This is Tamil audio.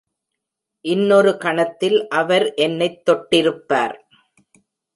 இன்னொரு கணத்தில் அவர் என்னைத் தொட்டிருப்பார்.